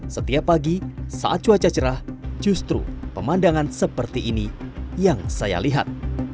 setiap pagi saat cuaca cerah justru pemandangan seperti ini yang saya lihat